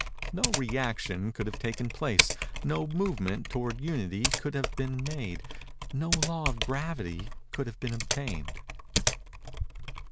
No Rëaction could have taken place; no movement toward Unity could have been made; no Law of Gravity could have obtained.